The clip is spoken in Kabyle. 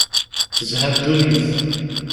Tezha ddunit.